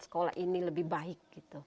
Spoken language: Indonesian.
sekolah ini lebih baik